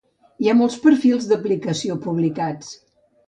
Hi ha molts perfils d'aplicació publicats.